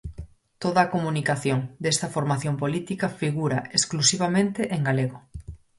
Toda a comunicación desta formación política figura exclusivamente en galego.